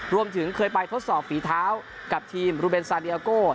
รวมถึงเคยไปทดสอบฝีเท้ากับทีมรูเบนซาเดียโก้